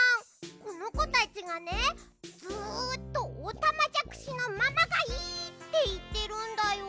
このこたちがねずっとオタマジャクシのままがいいっていってるんだよ。